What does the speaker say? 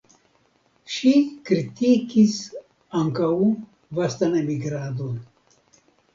Ŝi kritikis ankaŭ vastan emigradon.